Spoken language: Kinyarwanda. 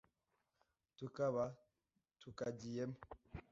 tukaba tukagiyemo.